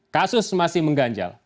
kasus masih mengganjal